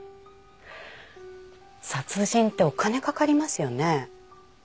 殺人ってお金かかりますよね？